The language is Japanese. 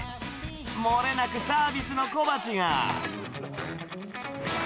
漏れなくサービスの小鉢が。